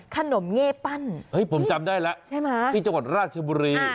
เง่ปั้นเฮ้ยผมจำได้แล้วใช่ไหมที่จังหวัดราชบุรี